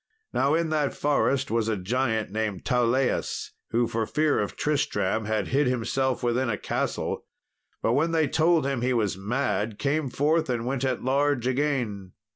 Now in that forest was a giant named Tauleas, who, for fear of Tristram, had hid himself within a castle, but when they told him he was mad, came forth and went at large again.